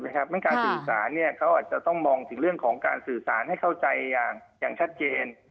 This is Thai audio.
ในการสื่อสารเขาอาจจะต้องมองถึงการสื่อสารให้เข้าใจอย่างชัดเจน